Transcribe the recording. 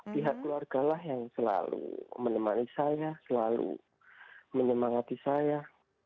pihak keluarga lah yang selalu menemani saya selalu menemangati saya